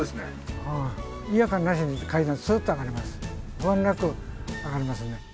不安なく上がれますね。